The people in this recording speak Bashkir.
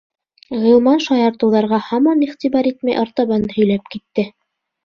Ғилман шаяртыуҙарға һаман иғтибар итмәй артабан һөйләп китте.